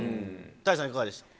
多江さん、いかがでしたか。